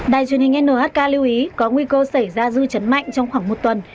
đại truyền hình nhk lưu ý có nguy cơ xảy ra dư trấn mạnh trong khoảng một tuần